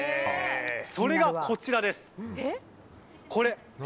それがこちらです。